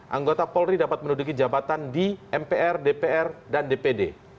anggota polri dapat menuduki jabatan di mpr dpr dan dpd